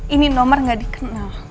ini nomor gak dikenal